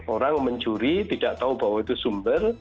orang mencuri tidak tahu bahwa itu sumber